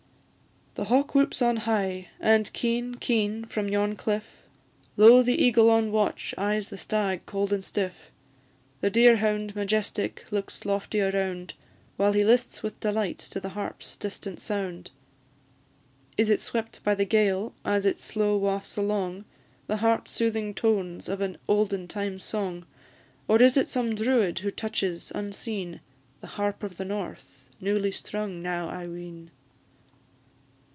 The hawk whoops on high, and keen, keen from yon' cliff, Lo! the eagle on watch eyes the stag cold and stiff; The deer hound, majestic, looks lofty around, While he lists with delight to the harp's distant sound; Is it swept by the gale, as it slow wafts along The heart soothing tones of an olden times' song? Or is it some Druid who touches, unseen, "The Harp of the North," newly strung now I ween?